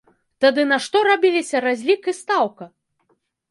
Тады на што рабіліся разлік і стаўка?